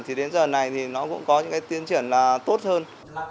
thì đến giờ này thì nó cũng có những tiến triển tốt hơn